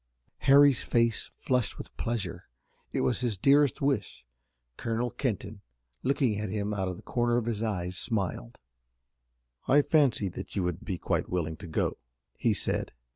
Harry's face flushed with pleasure. It was his dearest wish. Colonel Kenton, looking at him out of the corner of his eyes, smiled. "I fancied that you would be quite willing to go," he said.